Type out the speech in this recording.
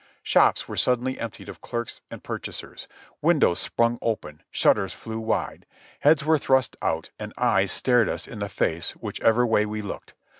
Shops were suddenly emptied of clerks and purchasers ; windows sprung open, shutters flew wide, heads were thrust out and eyes stared us in the face whichever way we looked.